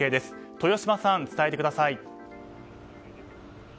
豊嶋さん、伝えてください。